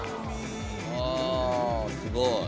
ああすごい。